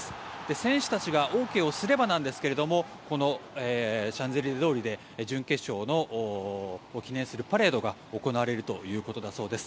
選手たちがＯＫをすればなんですがこのシャンゼリゼ通りで準決勝を記念するパレードが行われるということだそうです。